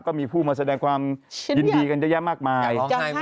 ก็มีผู้มาแสดงความยินดีกันเยอะแยะมากมาย